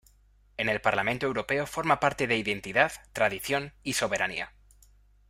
En el Parlamento Europeo forma parte de Identidad, Tradición y Soberanía.